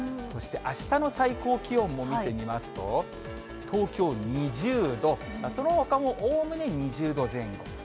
そしてあしたの最高気温も見てみますと、東京２０度、そのほかもおおむね２０度前後。